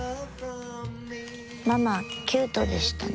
ママキュートでしたね。